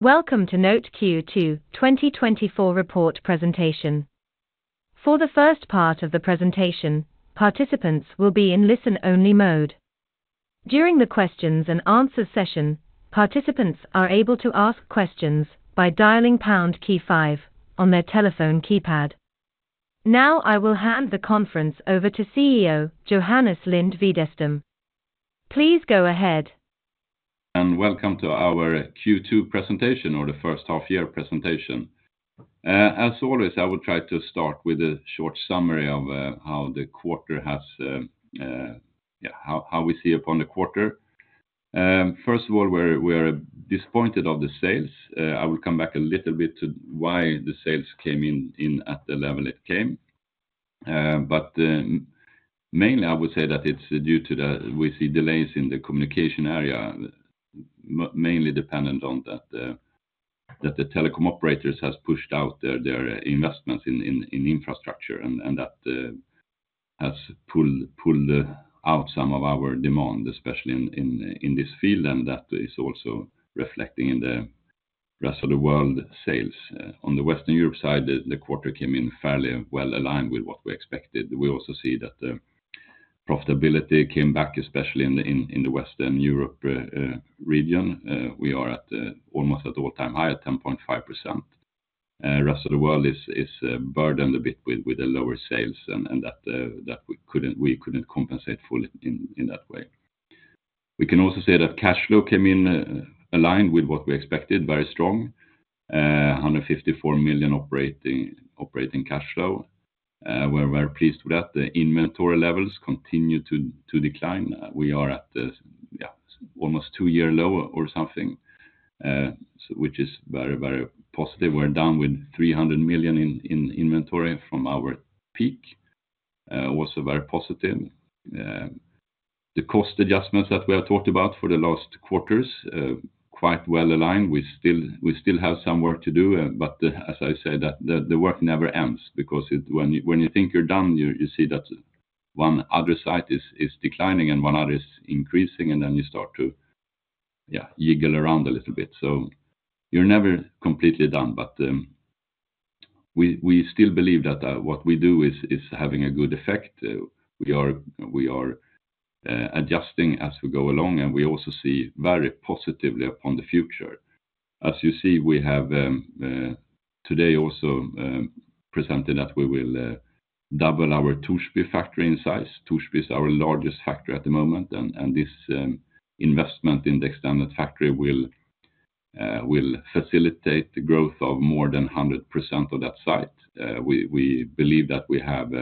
Welcome to NOTE Q2 2024 report presentation. For the first part of the presentation, participants will be in listen-only mode. During the questions and answer session, participants are able to ask questions by dialing pound key five on their telephone keypad. Now, I will hand the conference over to CEO, Johannes Lind-Widestam. Please go ahead. Welcome to our Q2 presentation, or the first half year presentation. As always, I will try to start with a short summary of how we see upon the quarter. First of all, we're disappointed of the sales. I will come back a little bit to why the sales came in at the level it came. But mainly, I would say that it's due to the we see delays in the communication area, mainly dependent on that that the telecom operators has pushed out their investments in infrastructure, and that has pulled out some of our demand, especially in this field, and that is also reflecting in the rest of the world sales. On the Western Europe side, the quarter came in fairly well aligned with what we expected. We also see that profitability came back, especially in the Western Europe region. We are almost at an all-time high of 10.5%. Rest of the world is burdened a bit with the lower sales and that we couldn't compensate fully in that way. We can also say that cash flow came in aligned with what we expected, very strong. 154 million operating cash flow. We're very pleased with that. The inventory levels continue to decline. We are at almost a two-year low or something, so which is very positive. We're down with 300 million in inventory from our peak, also very positive. The cost adjustments that we have talked about for the last quarters, quite well-aligned. We still have some work to do, but as I said, the work never ends because it... When you think you're done, you see that one other site is declining and one other is increasing, and then you start to jiggle around a little bit. So you're never completely done, but we still believe that what we do is having a good effect. We are adjusting as we go along, and we also see very positively upon the future. As you see, we have today also presented that we will double our Torsby factory in size. Torsby is our largest factory at the moment, and this investment in the extended factory will facilitate the growth of more than 100% of that site. We believe that we have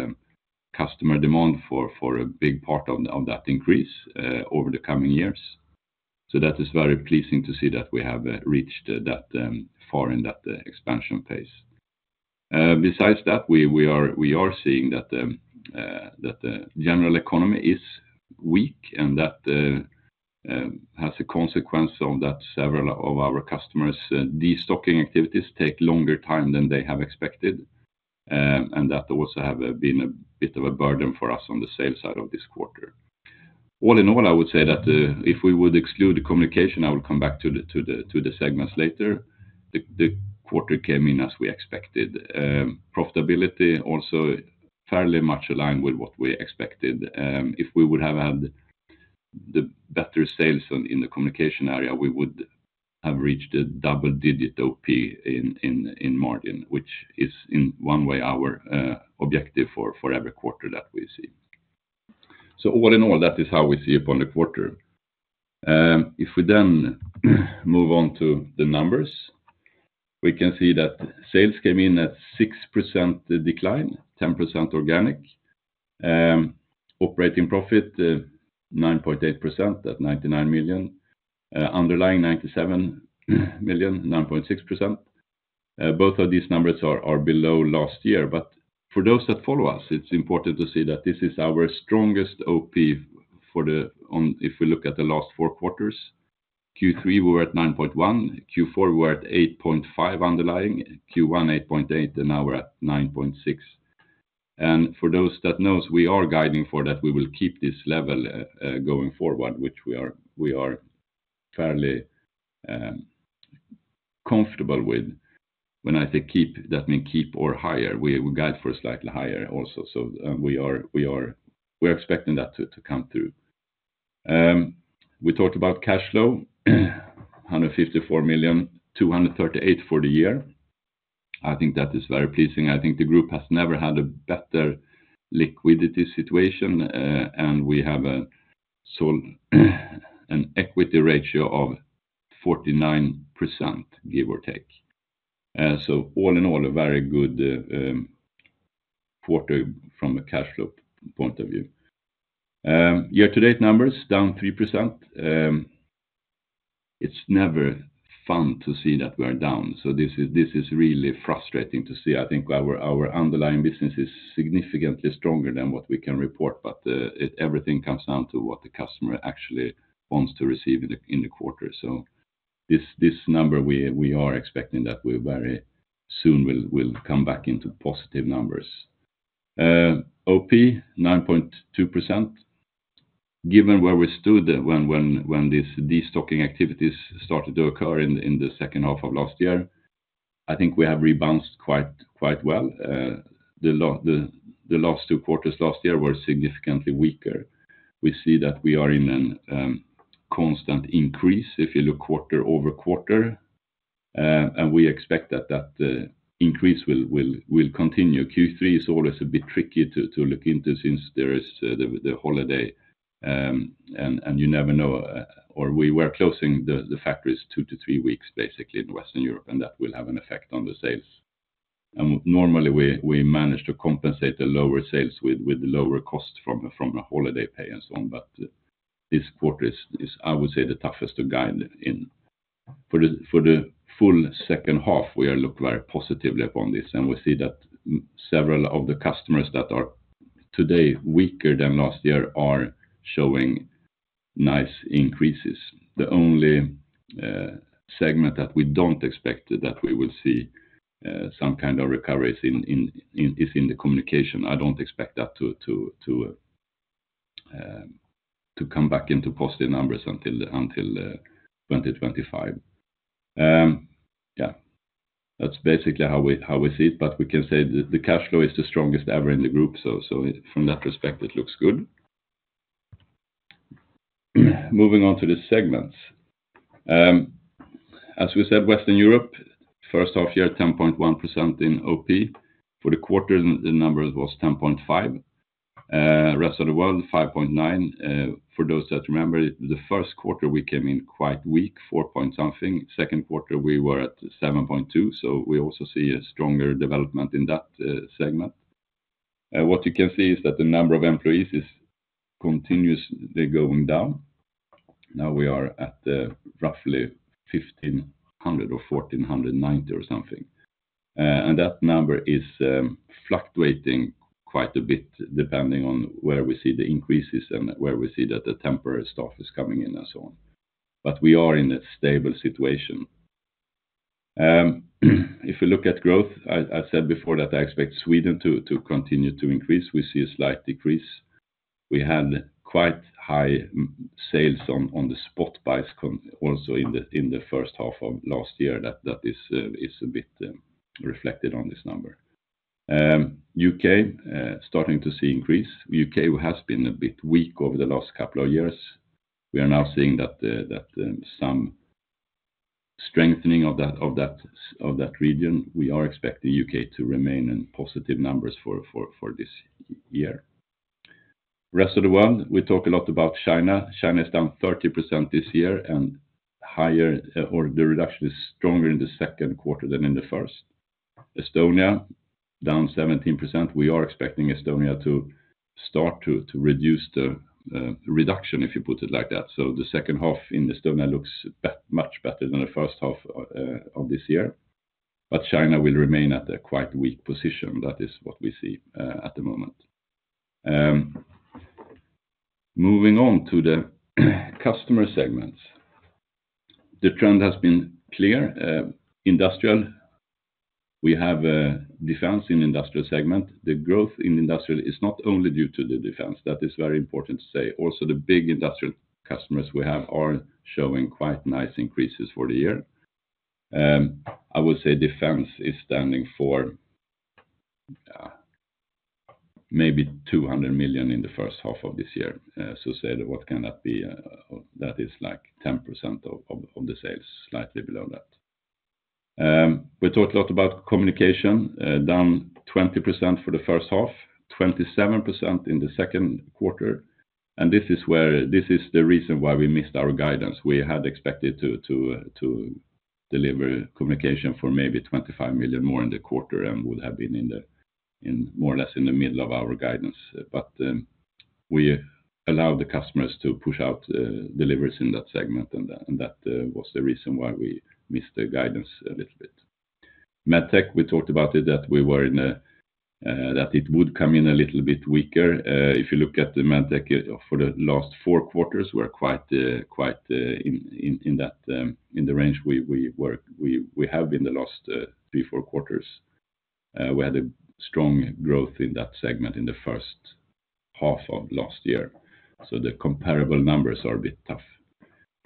customer demand for a big part of that increase over the coming years. So that is very pleasing to see that we have reached that far in that expansion pace. Besides that, we are seeing that the general economy is weak, and that has a consequence of that several of our customers destocking activities take longer time than they have expected, and that also have been a bit of a burden for us on the sales side of this quarter. All in all, I would say that, if we would exclude the communication, I will come back to the segments later, the quarter came in as we expected. Profitability also fairly much aligned with what we expected. If we would have had the better sales in the communication area, we would have reached a double-digit OP in margin, which is in one way our objective for every quarter that we see. So all in all, that is how we see upon the quarter. If we then move on to the numbers, we can see that sales came in at 6% decline, 10% organic. Operating profit, 9.8%, at 99 million. Underlying 97 million, 9.6%. Both of these numbers are below last year, but for those that follow us, it's important to see that this is our strongest OP for the on if we look at the last four quarters. Q3, we were at 9.1%. Q4, we were at 8.5% underlying. Q1, 8.8%, and now we're at 9.6%. For those that knows, we are guiding for that, we will keep this level going forward, which we are, we are fairly comfortable with. When I say keep, that mean keep or higher. We guide for slightly higher also, so we are, we're expecting that to come through. We talked about cash flow, 154 million, 238 million for the year. I think that is very pleasing. I think the group has never had a better liquidity situation, and we have a, so, an equity ratio of 49%, give or take. So all in all, a very good quarter from a cash flow point of view. Year-to-date numbers, down 3%. It's never fun to see that we are down, so this is really frustrating to see. I think our underlying business is significantly stronger than what we can report, but everything comes down to what the customer actually wants to receive in the quarter. So this, this number we, we are expecting that we very soon will, will come back into positive numbers. OP, 9.2%. Given where we stood when this destocking activities started to occur in the second half of last year, I think we have rebounded quite well. The last two quarters last year were significantly weaker. We see that we are in a constant increase if you look quarter-over-quarter, and we expect that increase will continue. Q3 is always a bit tricky to look into since there is the holiday, and you never know or we were closing the factories two to three weeks, basically, in Western Europe, and that will have an effect on the sales. Normally, we manage to compensate the lower sales with lower costs from a holiday pay and so on, but this quarter is the toughest to guide in. For the full second half, we are look very positively upon this, and we see that several of the customers that are today weaker than last year are showing nice increases. The only segment that we don't expect that we will see some kind of recoveries in is in the communication. I don't expect that to come back into positive numbers until 2025. Yeah, that's basically how we see it, but we can say the cash flow is the strongest ever in the group, so from that respect, it looks good. Moving on to the segments. As we said, Western Europe, first half year, 10.1% in OP. For the quarter, the numbers was 10.5%, rest of the world, 5.9%. For those that remember, the first quarter, we came in quite weak, 4.something%. Second quarter, we were at 7.2%, so we also see a stronger development in that segment. What you can see is that the number of employees is continuously going down. Now we are at, roughly 1,500 or 1,490 or something. And that number is fluctuating quite a bit, depending on where we see the increases and where we see that the temporary staff is coming in and so on. But we are in a stable situation. If you look at growth, I said before that I expect Sweden to continue to increase. We see a slight decrease. We had quite high sales on the spot buys also in the first half of last year, that is a bit reflected on this number. U.K., starting to see increase. U.K. has been a bit weak over the last couple of years. We are now seeing that some strengthening of that region, we are expecting U.K. to remain in positive numbers for this year. Rest of the world, we talk a lot about China. China is down 30% this year, and higher, or the reduction is stronger in the second quarter than in the first. Estonia, down 17%. We are expecting Estonia to start to reduce the reduction, if you put it like that. So the second half in Estonia looks to be much better than the first half of this year, but China will remain at a quite weak position. That is what we see at the moment. Moving on to the customer segments. The trend has been clear. Industrial, we have a defense in industrial segment. The growth in industrial is not only due to the defense, that is very important to say. Also, the big industrial customers we have are showing quite nice increases for the year. I would say defense is standing for maybe 200 million in the first half of this year. So say, what can that be? That is like 10% of the sales, slightly below that. We talked a lot about communication, down 20% for the first half, 27% in the second quarter, and this is the reason why we missed our guidance. We had expected to deliver communication for maybe 25 million more in the quarter and would have been in more or less the middle of our guidance. But we allowed the customers to push out deliveries in that segment, and that was the reason why we missed the guidance a little bit. Medtech, we talked about it, that it would come in a little bit weaker. If you look at the Medtech for the last four quarters, we're quite quite in the range we have been the last three, four quarters. We had a strong growth in that segment in the first half of last year, so the comparable numbers are a bit tough.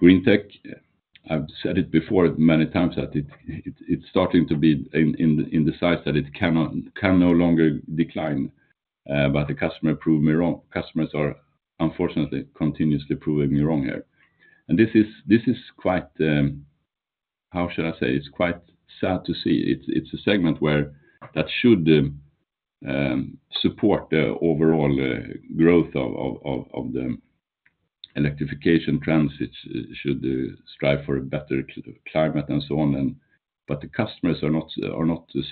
Greentech, I've said it before, many times, that it's starting to be in the size that it can no longer decline, but the customer prove me wrong. Customers are unfortunately continuously proving me wrong here. And this is quite, how should I say? It's quite sad to see. It's a segment where that should support the overall growth of the electrification trends. It should strive for a better climate and so on and... But the customers are not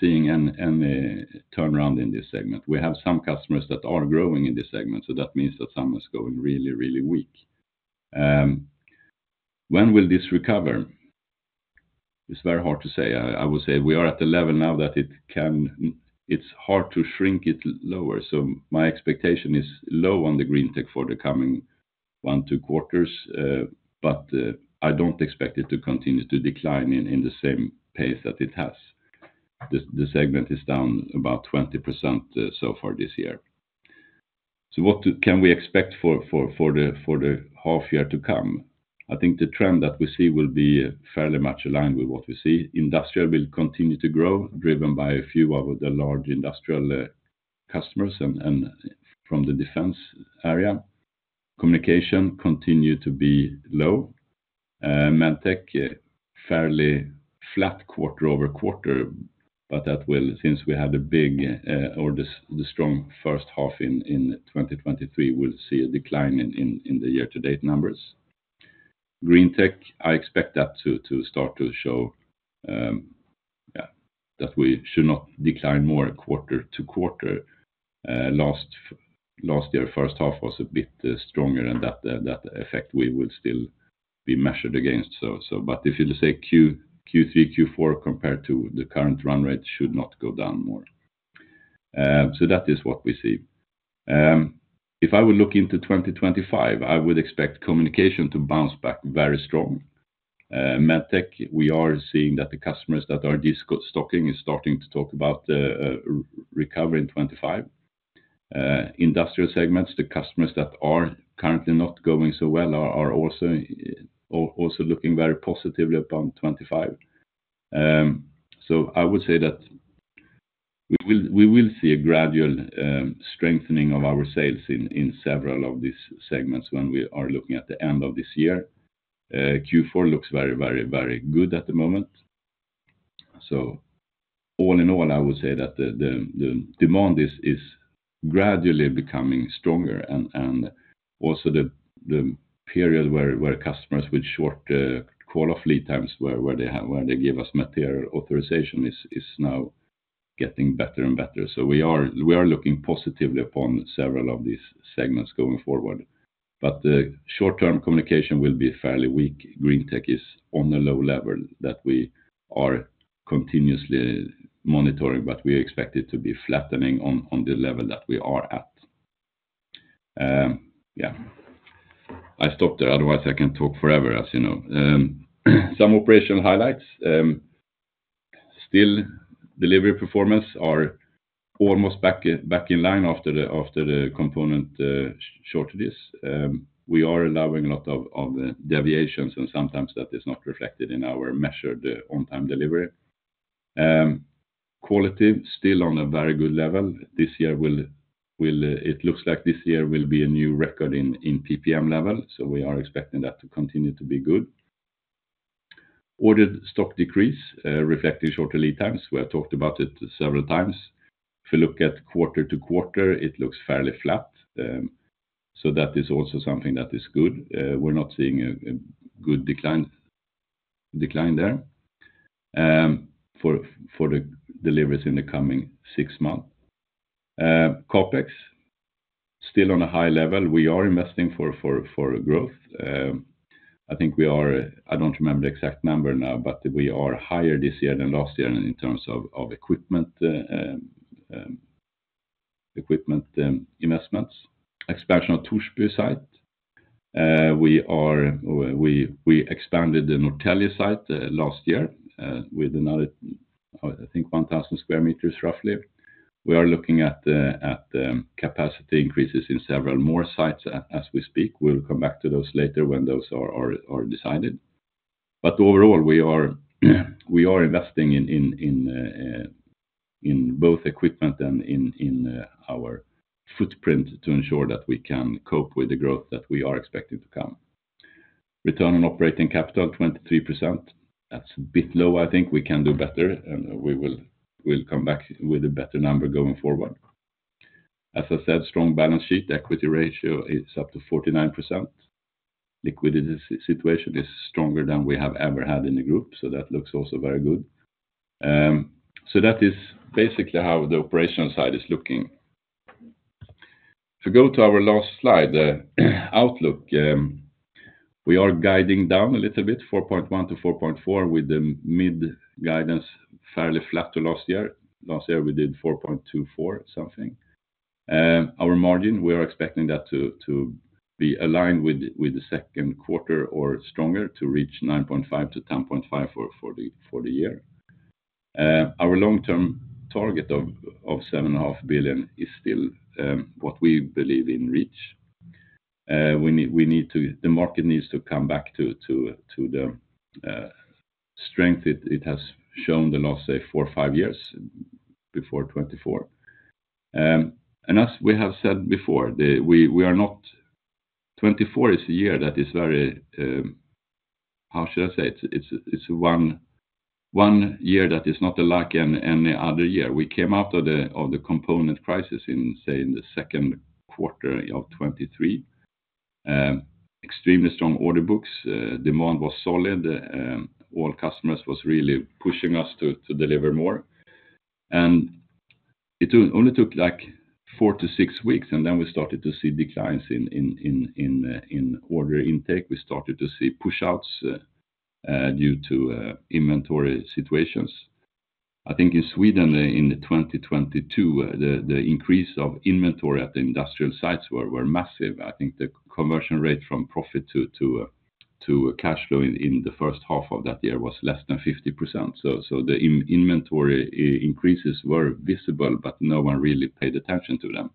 seeing any turnaround in this segment. We have some customers that are growing in this segment, so that means that some is going really, really weak. When will this recover? It's very hard to say. I would say we are at the level now that it can—it's hard to shrink it lower. So my expectation is low on the Greentech for the coming one, two quarters, but I don't expect it to continue to decline in the same pace that it has... The segment is down about 20%, so far this year. So what can we expect for the half year to come? I think the trend that we see will be fairly much aligned with what we see. Industrial will continue to grow, driven by a few of the large industrial customers and from the defense area. Communication continue to be low. Medtech, fairly flat quarter-over-quarter, but that since we had a big or the strong first half in 2023, we'll see a decline in the year-to-date numbers. Greentech, I expect that to start to show that we should not decline more quarter-to-quarter. Last year, first half was a bit stronger, and that effect we will still be measured against. So but if you say Q3, Q4, compared to the current run rate, should not go down more. So that is what we see. If I would look into 2025, I would expect communication to bounce back very strong. Medtech, we are seeing that the customers that are destocking is starting to talk about recovery in 2025. Industrial segments, the customers that are currently not going so well are also looking very positively upon 2025. So I would say that we will see a gradual strengthening of our sales in several of these segments when we are looking at the end of this year. Q4 looks very, very, very good at the moment. So all in all, I would say that the demand is gradually becoming stronger, and also the period where customers with short call-off lead times, where they give us material authorization, is now getting better and better. So we are looking positively upon several of these segments going forward. But the short-term communication will be fairly weak. Greentech is on a low level that we are continuously monitoring, but we expect it to be flattening on the level that we are at. Yeah, I stop there, otherwise, I can talk forever, as you know. Some operational highlights. Still, delivery performance are almost back in line after the component shortages. We are allowing a lot of, of deviations, and sometimes that is not reflected in our measured, on-time delivery. Quality, still on a very good level. This year will, will—it looks like this year will be a new record in, in PPM level, so we are expecting that to continue to be good. Ordered stock decrease, reflecting shorter lead times. We have talked about it several times. If you look at quarter to quarter, it looks fairly flat, so that is also something that is good. We're not seeing a, a good decline, decline there, for, for the deliveries in the coming six months. CapEx, still on a high level. We are investing for, for, for growth. I think we are... I don't remember the exact number now, but we are higher this year than last year in terms of equipment investments. Expansion of Torsby site. We expanded the Norrtälje site last year with another, I think, 1,000 sq m, roughly. We are looking at the capacity increases in several more sites as we speak. We'll come back to those later when those are decided. But overall, we are investing in both equipment and in our footprint to ensure that we can cope with the growth that we are expecting to come. Return on operating capital, 23%. That's a bit low, I think. We can do better, and we will come back with a better number going forward. As I said, strong balance sheet. Equity ratio is up to 49%. Liquidity situation is stronger than we have ever had in the group, so that looks also very good. So that is basically how the operational side is looking. If you go to our last slide, outlook. We are guiding down a little bit, 4.1 billion-4.4 billion, with the mid-guidance fairly flat to last year. Last year, we did 4.24 billion something. Our margin, we are expecting that to be aligned with the second quarter or stronger, to reach 9.5%-10.5% for the year. Our long-term target of 7.5 billion is still what we believe in reach. The market needs to come back to the strength it has shown the last, say, four or five years, before 2024. And as we have said before, 2024 is a year that is very one year that is not like any other year. We came out of the component crisis in, say, the second quarter of 2023. Extremely strong order books, demand was solid, all customers was really pushing us to deliver more. And it only took, like, four to six weeks, and then we started to see declines in order intake. We started to see pushouts due to inventory situations. I think in Sweden, in 2022, the increase of inventory at the industrial sites were massive. I think the conversion rate from profit to a cash flow in the first half of that year was less than 50%. So the inventory increases were visible, but no one really paid attention to them.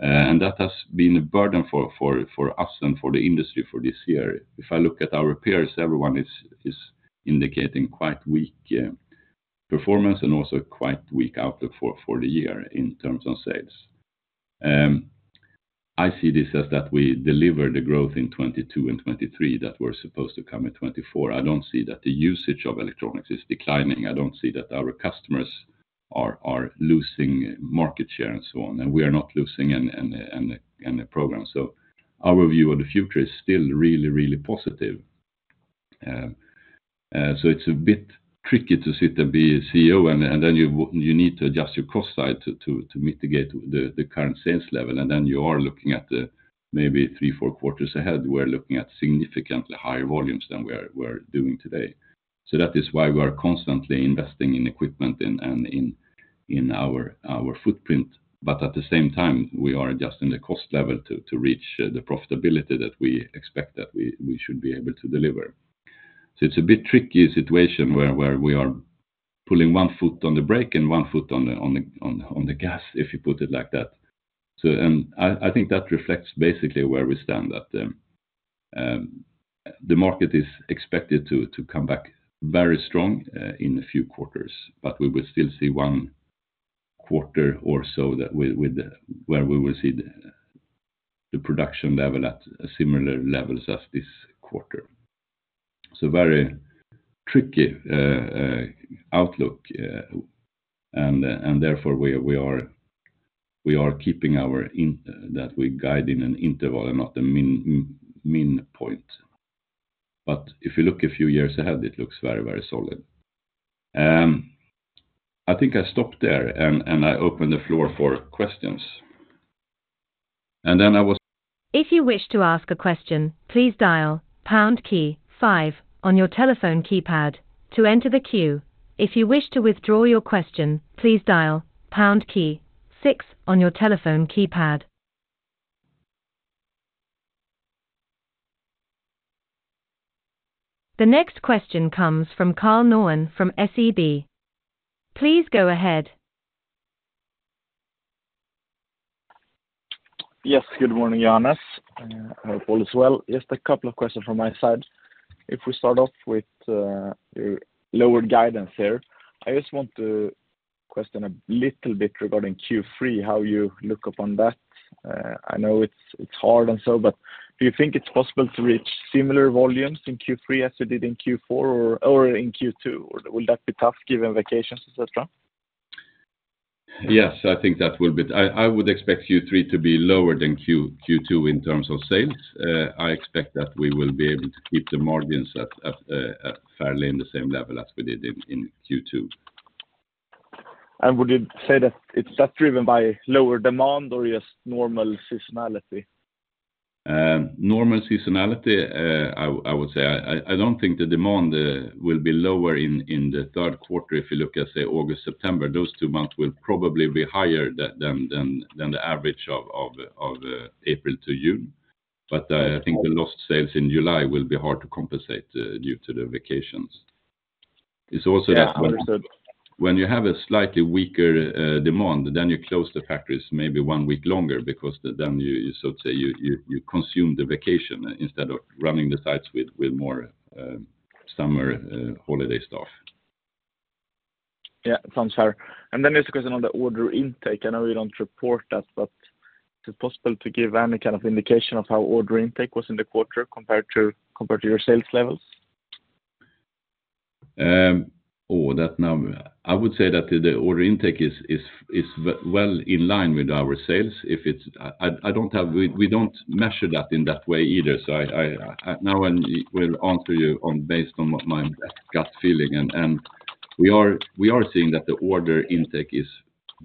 And that has been a burden for us and for the industry for this year. If I look at our peers, everyone is indicating quite weak performance and also quite weak outlook for the year in terms of sales. I see this as that we deliver the growth in 2022 and 2023 that were supposed to come in 2024. I don't see that the usage of electronics is declining. I don't see that our customers are losing market share and so on, and we are not losing in the program. So our view of the future is still really, really positive. So it's a bit tricky to sit and be a CEO, and then you need to adjust your cost side to mitigate the current sales level. And then you are looking at the maybe three, four quarters ahead. We're looking at significantly higher volumes than we're doing today. So that is why we are constantly investing in equipment and in our footprint. But at the same time, we are adjusting the cost level to reach the profitability that we expect that we should be able to deliver. So it's a bit tricky situation where we are pulling one foot on the brake and one foot on the gas, if you put it like that. So, I think that reflects basically where we stand at, the market is expected to come back very strong, in a few quarters, but we will still see one quarter or so where we will see the production level at similar levels as this quarter. So very tricky outlook, and therefore, we are keeping our indication that we guide in an interval and not a minimum point. But if you look a few years ahead, it looks very, very solid. I think I stop there, and I open the floor for questions. And then I was- If you wish to ask a question, please dial pound key five on your telephone keypad to enter the queue. If you wish to withdraw your question, please dial pound key six on your telephone keypad. The next question comes from Karl Norén from SEB. Please go ahead. Yes, good morning, Johannes. I hope all is well. Just a couple of questions from my side. If we start off with your lowered guidance here, I just want to question a little bit regarding Q3, how you look upon that. I know it's, it's hard and so, but do you think it's possible to reach similar volumes in Q3 as you did in Q4 or in Q2? Or will that be tough given vacations, et cetera? Yes, I think that will be... I, I would expect Q3 to be lower than Q2, Q2 in terms of sales. I expect that we will be able to keep the margins at, at, at fairly in the same level as we did in, in Q2. Would you say that it's that driven by lower demand or just normal seasonality? Normal seasonality. I would say I don't think the demand will be lower in the third quarter. If you look at, say, August, September, those two months will probably be higher than the average of April to June. But I think the lost sales in July will be hard to compensate due to the vacations. It's also that- Yeah. When you have a slightly weaker demand, then you close the factories maybe one week longer because then you say you consume the vacation instead of running the sites with more summer holiday stuff. Yeah, sounds fair. And then just a question on the order intake. I know you don't report that, but is it possible to give any kind of indication of how order intake was in the quarter compared to your sales levels? Oh, that now, I would say that the order intake is well in line with our sales. We don't measure that in that way either. We'll answer you based on what my gut feeling. We are seeing that the order intake is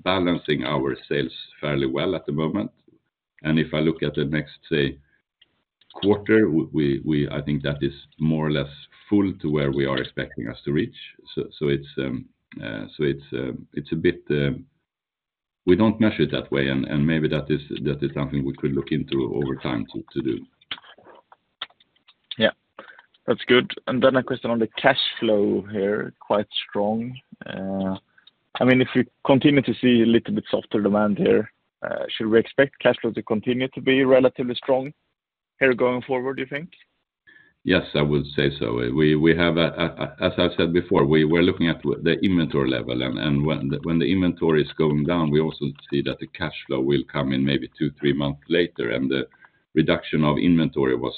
balancing our sales fairly well at the moment. If I look at the next, say, quarter, I think that is more or less full to where we are expecting us to reach. So it's a bit... We don't measure it that way, and maybe that is something we could look into over time to do. Yeah, that's good. And then a question on the cash flow here, quite strong. I mean, if you continue to see a little bit softer demand here, should we expect cash flow to continue to be relatively strong here going forward, do you think? Yes, I would say so. We have, as I've said before, we were looking at the inventory level, and when the inventory is going down, we also see that the cash flow will come in maybe two, three months later, and the reduction of inventory was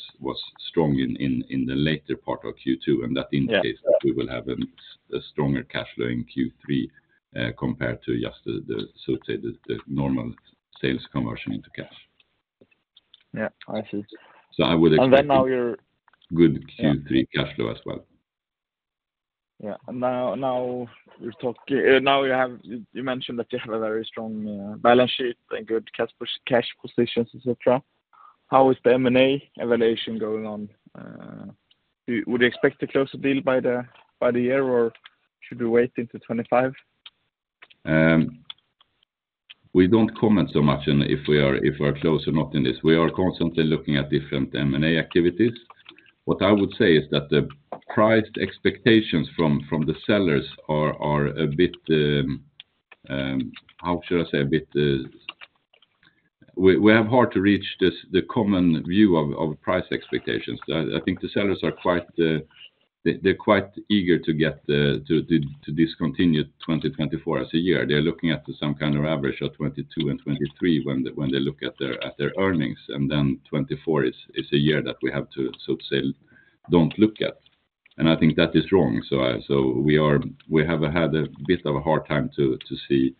strong in the later part of Q2. Yeah. That indicates that we will have a stronger cash flow in Q3 compared to just the so-called normal sales conversion into cash. Yeah, I see. I would expect- And then now you're- Good Q3 cash flow as well. Yeah. Now, now you're talking... Now you mentioned that you have a very strong balance sheet and good cash positions, et cetera. How is the M&A evaluation going on? Would you expect to close the deal by the year, or should we wait into 2025? We don't comment so much on if we are, if we are close or not in this. We are constantly looking at different M&A activities. What I would say is that the price expectations from, from the sellers are, are a bit, how should I say? A bit, we, we have hard to reach this, the common view of, of price expectations. I, I think the sellers are quite, they're quite eager to get the, to, to, to discontinue 2024 as a year. They're looking at some kind of average of 2022 and 2023 when they, when they look at their, at their earnings, and then 2024 is, is a year that we have to, so to say, don't look at, and I think that is wrong. So we are, we have had a bit of a hard time to see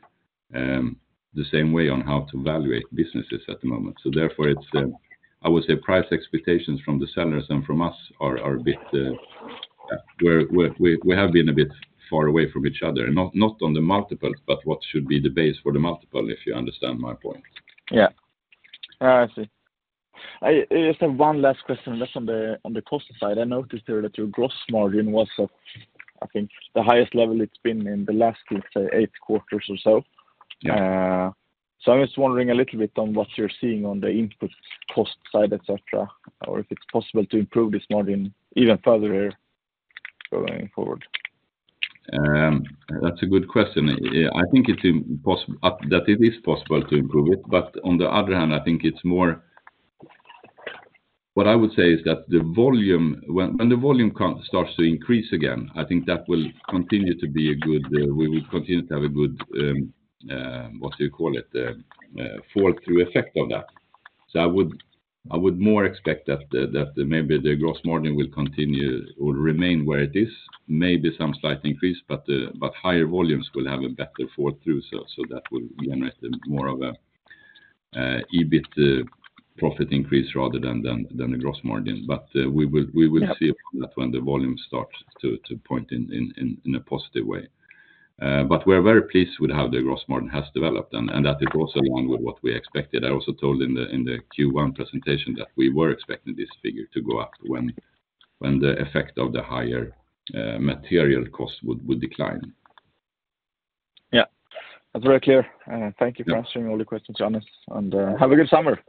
the same way on how to evaluate businesses at the moment. So therefore, it's, I would say price expectations from the sellers and from us are a bit, we have been a bit far away from each other, not on the multiples, but what should be the base for the multiple, if you understand my point. Yeah. I see. I just have one last question, just on the, on the cost side. I noticed there that your gross margin was at, I think, the highest level it's been in the last, let's say, eight quarters or so. Yeah. So, I'm just wondering a little bit on what you're seeing on the input cost side, et cetera, or if it's possible to improve this margin even further going forward? That's a good question. I think that it is possible to improve it, but on the other hand, I think it's more... What I would say is that the volume—when the volume starts to increase again, I think that will continue to be a good. We will continue to have a good, what do you call it? A fall-through effect of that. So I would more expect that maybe the gross margin will continue or remain where it is, maybe some slight increase, but higher volumes will have a better fall-through, so that will generate more of a EBIT profit increase rather than a gross margin. But we will. Yeah... see that when the volume starts to point in a positive way. But we're very pleased with how the gross margin has developed and that it was along with what we expected. I also told in the Q1 presentation that we were expecting this figure to go up when the effect of the higher material cost would decline. Yeah, that's very clear. Thank you for- Yeah... answering all the questions, Johannes, and have a good summer.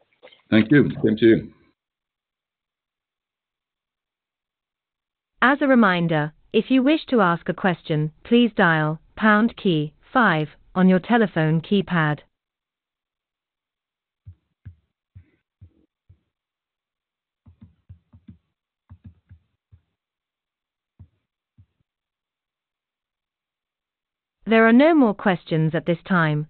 Thank you. Same to you. As a reminder, if you wish to ask a question, please dial pound key five on your telephone keypad. There are no more questions at this time,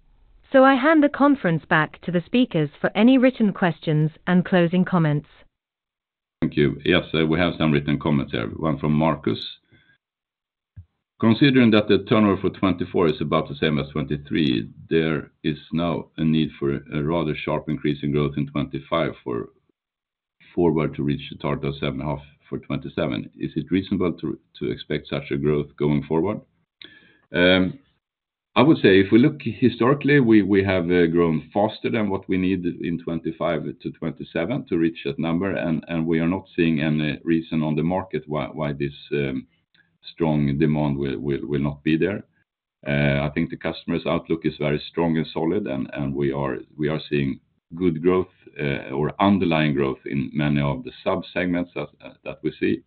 so I hand the conference back to the speakers for any written questions and closing comments. Thank you. Yes, we have some written comments here, one from Marcus: Considering that the turnover for 2024 is about the same as 2023, there is now a need for a rather sharp increase in growth in 2025 going forward to reach the target of 7.5 billion for 2027. Is it reasonable to expect such a growth going forward? I would say if we look historically, we have grown faster than what we need in 2025-2027 to reach that number, and we are not seeing any reason on the market why this strong demand will not be there. I think the customer's outlook is very strong and solid, and we are seeing good growth or underlying growth in many of the sub-segments that we see.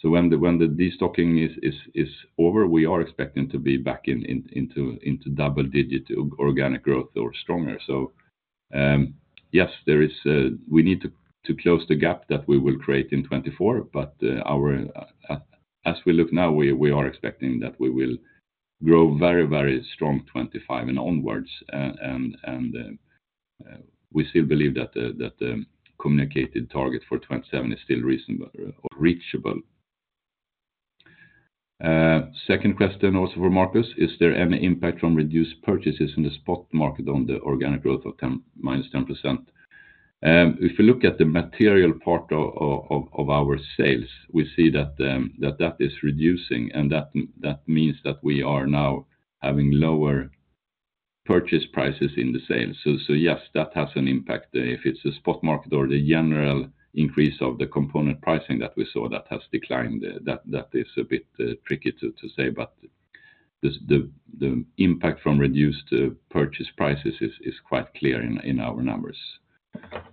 So when the destocking is over, we are expecting to be back into double-digit organic growth or stronger. So, yes, there is a... We need to close the gap that we will create in 2024, but, as we look now, we are expecting that we will grow very strong 2025 and onwards. And we still believe that the communicated target for 2027 is still reasonable or reachable. Second question also for Marcus: Is there any impact from reduced purchases in the spot market on the organic growth of -10%? If you look at the material part of our sales, we see that that is reducing, and that means that we are now having lower purchase prices in the sales. So yes, that has an impact. If it's a spot market or the general increase of the component pricing that we saw that has declined, that is a bit tricky to say, but the impact from reduced purchase prices is quite clear in our numbers.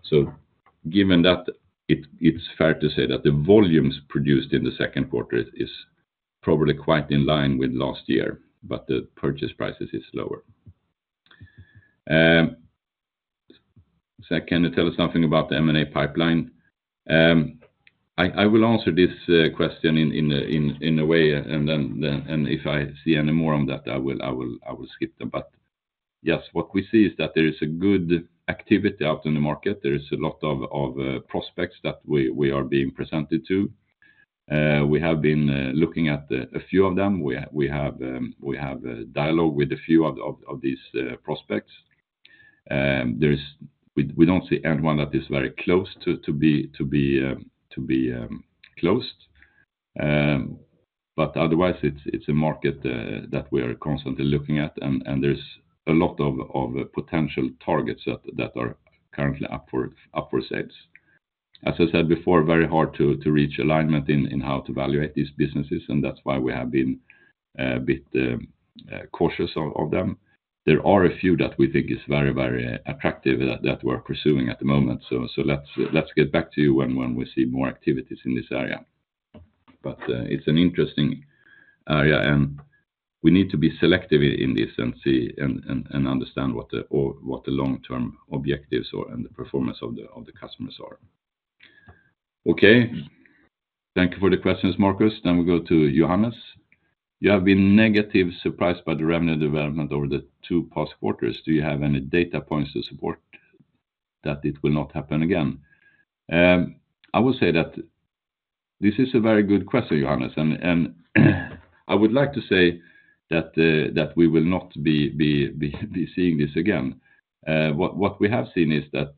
So given that, it's fair to say that the volumes produced in the second quarter is probably quite in line with last year, but the purchase prices is lower. So can you tell us something about the M&A pipeline? I will answer this question in a way, and then, and if I see any more on that, I will skip them. But yes, what we see is that there is a good activity out in the market. There is a lot of prospects that we are being presented to. We have been looking at a few of them. We have a dialogue with a few of these prospects. We don't see anyone that is very close to be closed. But otherwise, it's a market that we are constantly looking at, and there's a lot of potential targets that are currently up for sales. As I said before, very hard to reach alignment in how to evaluate these businesses, and that's why we have been a bit cautious of them. There are a few that we think is very, very attractive that we're pursuing at the moment. So let's get back to you when we see more activities in this area. But it's an interesting area, and we need to be selective in this and see and understand what the, or what the long-term objectives are and the performance of the customers are. Okay. Thank you for the questions, Marcus. Then we go to Johannes. You have been negative, surprised by the revenue development over the two past quarters. Do you have any data points to support that it will not happen again? I would say that this is a very good question, Johannes, and I would like to say that we will not be seeing this again. What we have seen is that,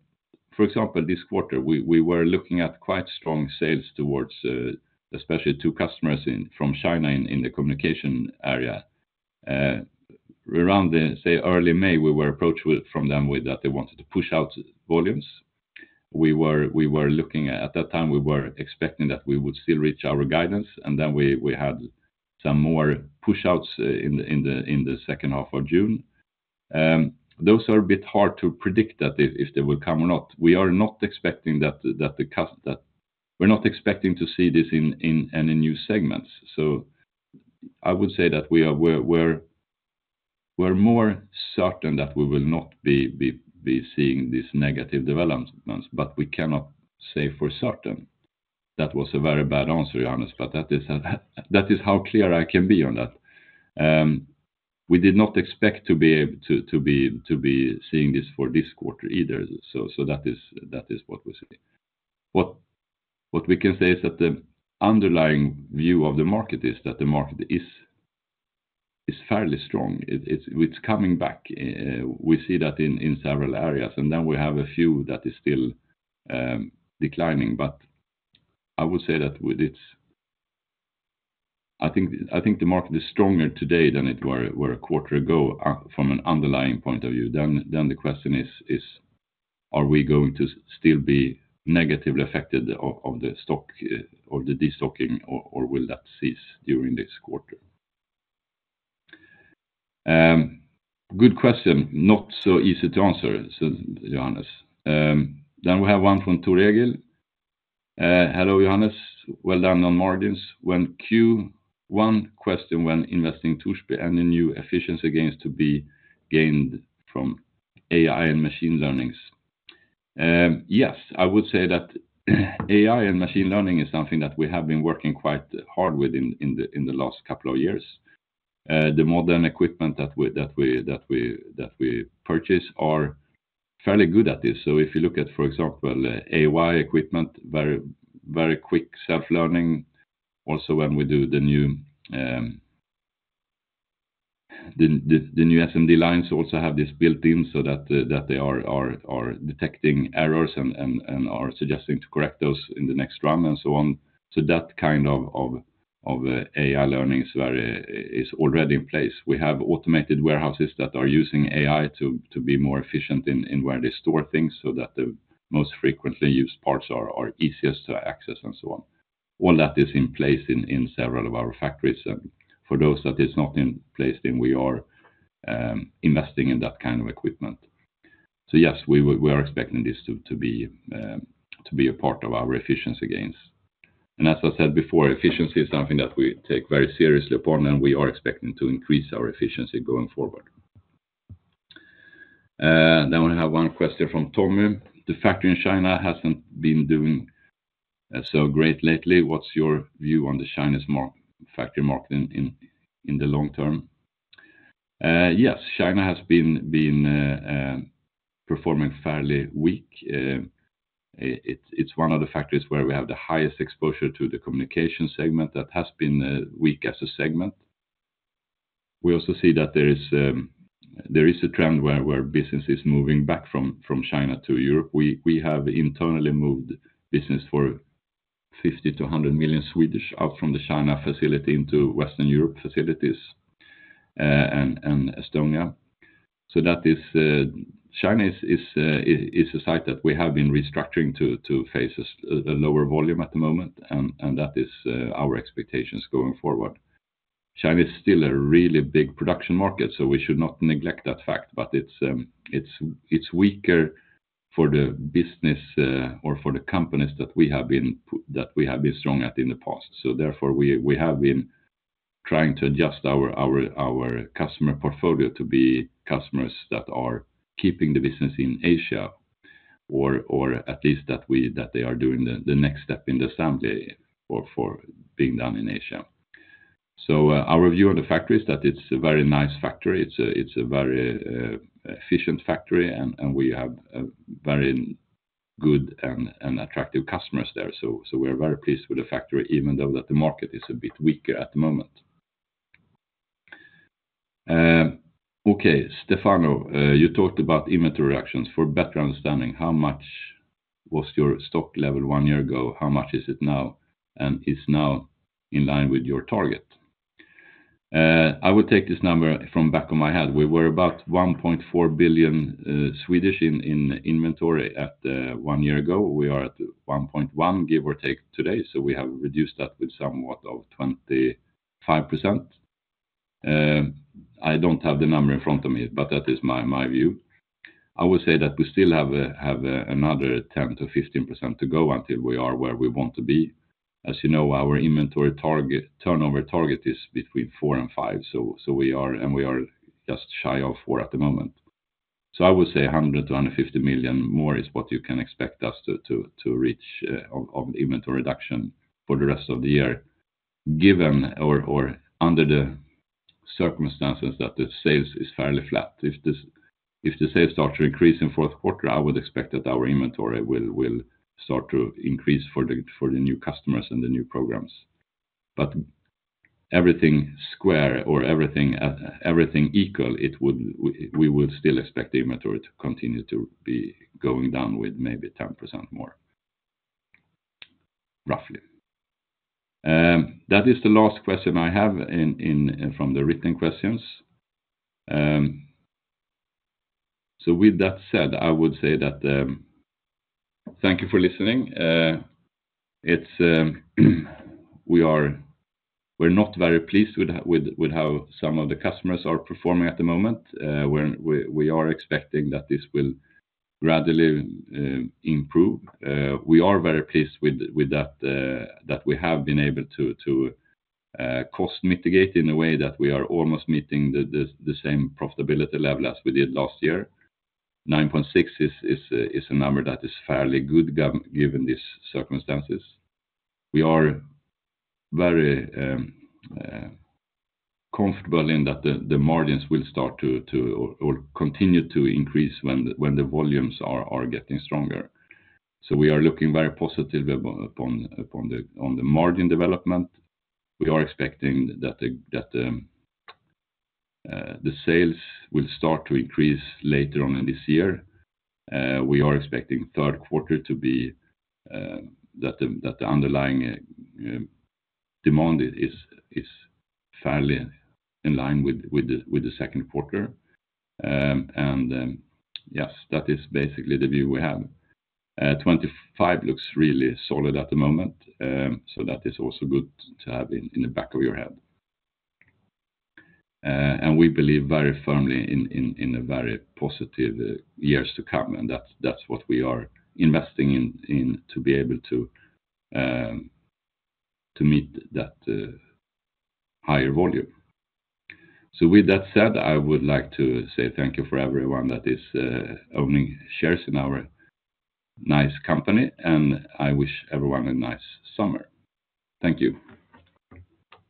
for example, this quarter, we were looking at quite strong sales towards especially two customers from China in the communication area. Around, say, early May, we were approached with from them with that they wanted to push out volumes. We were looking at that time, we were expecting that we would still reach our guidance, and then we had some more pushouts in the second half of June. Those are a bit hard to predict that if they will come or not. We are not expecting that. We're not expecting to see this in any new segments. So I would say that we are more certain that we will not be seeing this negative developments, but we cannot say for certain. That was a very bad answer, Johannes, but that is how clear I can be on that. We did not expect to be seeing this for this quarter either. So that is what we're seeing. What we can say is that the underlying view of the market is that the market is fairly strong. It's coming back. We see that in several areas, and then we have a few that is still declining. But I would say that with it, I think the market is stronger today than it were a quarter ago, from an underlying point of view. Then the question is: are we going to still be negatively affected of the stock, or the destocking, or will that cease during this quarter? Good question. Not so easy to answer, so Johannes. Then we have one from [Turigel]. "Hello, Johannes. Well done on margins. When Q1 question when investing tool and the new efficiency gains to be gained from AI and machine learning? Yes, I would say that AI and machine learning is something that we have been working quite hard with in the last couple of years. The modern equipment that we purchase are fairly good at this. So if you look at, for example, AI equipment, very, very quick self-learning. Also, when we do the new SMD lines also have this built-in so that they are detecting errors and are suggesting to correct those in the next run and so on. So that kind of AI learning is already in place. We have automated warehouses that are using AI to be more efficient in where they store things, so that the most frequently used parts are easiest to access and so on. All that is in place in several of our factories. For those that is not in place, then we are investing in that kind of equipment. So yes, we are expecting this to be a part of our efficiency gains. And as I said before, efficiency is something that we take very seriously upon, and we are expecting to increase our efficiency going forward. Then we have one question from Tommy: "The factory in China hasn't been doing so great lately. What's your view on the Chinese factory market in the long term?" Yes, China has been performing fairly weak. It's one of the factories where we have the highest exposure to the communication segment. That has been weak as a segment. We also see that there is a trend where business is moving back from China to Europe. We have internally moved business for 50 million-100 million out from the China facility into Western Europe facilities and Estonia. So that is China is a site that we have been restructuring to face a lower volume at the moment, and that is our expectations going forward. China is still a really big production market, so we should not neglect that fact, but it's weaker for the business, or for the companies that we have been strong at in the past. So therefore, we have been trying to adjust our customer portfolio to be customers that are keeping the business in Asia, or at least that they are doing the next step in the assembly or for being done in Asia. So, our view of the factory is that it's a very nice factory. It's a very efficient factory, and we have a very good and attractive customers there. So we are very pleased with the factory, even though the market is a bit weaker at the moment. Stefano: "You talked about inventory actions. For better understanding, how much was your stock level one year ago? How much is it now? And is now in line with your target?" I would take this number from back of my head. We were about 1.4 billion in inventory one year ago. We are at 1.1 billion, give or take, today, so we have reduced that with somewhat of 25%. I don't have the number in front of me, but that is my view. I would say that we still have another 10%-15% to go until we are where we want to be. As you know, our inventory target-turnover target is between four and five, so we are just shy of four at the moment. So I would say 100 million-150 million more is what you can expect us to reach of inventory reduction for the rest of the year. Given, or under the circumstances that the sales is fairly flat, if the sales start to increase in fourth quarter, I would expect that our inventory will start to increase for the new customers and the new programs. But all else equal, we would still expect the inventory to continue to be going down with maybe 10% more, roughly. That is the last question I have from the written questions. So with that said, I would say that thank you for listening. We're not very pleased with how some of the customers are performing at the moment. We are expecting that this will gradually improve. We are very pleased with that we have been able to cost mitigate in a way that we are almost meeting the same profitability level as we did last year. 9.6 is a number that is fairly good given these circumstances. We are very comfortable in that the margins will start to or continue to increase when the volumes are getting stronger. So we are looking very positively upon the margin development. We are expecting that the sales will start to increase later on in this year. We are expecting third quarter to be that the underlying demand is fairly in line with the second quarter. Yes, that is basically the view we have. 2025 looks really solid at the moment, so that is also good to have in the back of your head. We believe very firmly in a very positive years to come, and that's what we are investing in to be able to meet that higher volume. So with that said, I would like to say thank you for everyone that is owning shares in our nice company, and I wish everyone a nice summer. Thank you.